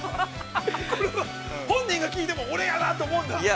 ◆本人が聞いても、俺やなと思うんや。